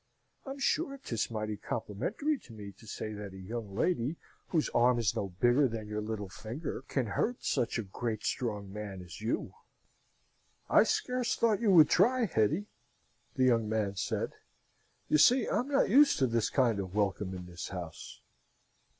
I'm sure 'tis mighty complimentary to me to say that a young lady whose arm is no bigger than your little finger can hurt such a great strong man as you!" "I scarce thought you would try, Hetty," the young man said. You see, I'm not used to this kind of welcome in this house."